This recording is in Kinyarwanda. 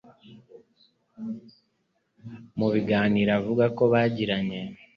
mu biganiro avuga ko bagiranye.